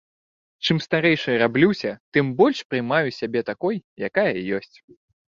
Чым старэйшай раблюся, тым больш прымаю сябе такой, якая ёсць.